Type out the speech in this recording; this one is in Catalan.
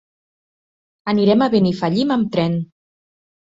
Anirem a Benifallim amb tren.